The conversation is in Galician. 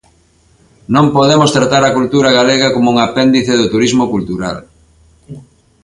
Non podemos tratar a cultura galega como un apéndice do turismo cultural.